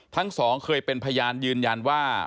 ทั้งสองเคยเป็นพยานยืนยันว่า